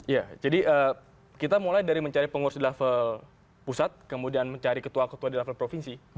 ya jadi kita mulai dari mencari pengurus di level pusat kemudian mencari ketua ketua di level provinsi